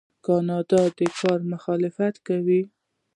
کاناډا د دې کار مخالفت کوي.